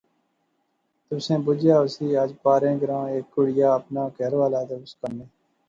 تسیں بجیا ہوسی اج پارے گراں ہیک کڑیا اپنا کہھر والا تے اس کنے